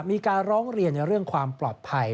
มีการร้องเรียนในเรื่องความปลอดภัย